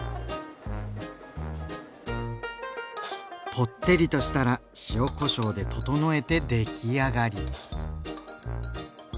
ぽってりとしたら塩・こしょうで調えて出来上がり。